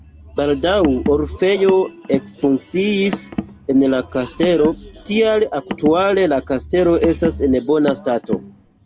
Baldaŭ orfejo ekfunkciis en la kastelo, tial aktuale la kastelo estas en bona stato.